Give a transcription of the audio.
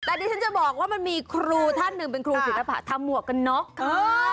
แต่ดิฉันจะบอกว่ามันมีครูท่านหนึ่งเป็นครูศิลปะทำหมวกกันน็อก